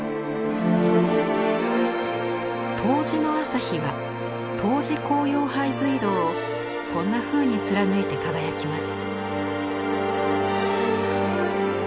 冬至の朝日は冬至光遥拝隧道をこんなふうに貫いて輝きます。